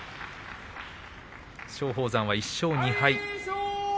松鳳山は１勝２敗。